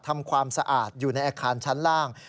ทำความสะอาดอยู่ในอาคารชั้นล่าง